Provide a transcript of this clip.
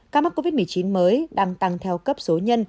các mắc covid một mươi chín mới đang tăng theo cấp số nhân